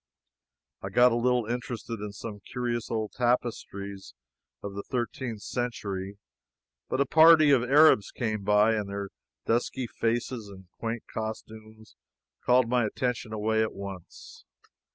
I got a little interested in some curious old tapestries of the thirteenth century, but a party of Arabs came by, and their dusky faces and quaint costumes called my attention away at once.